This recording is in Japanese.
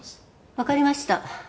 わかりました。